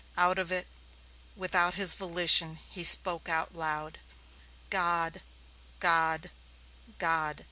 Out of it, without his volition, he spoke aloud. "God, God, God!"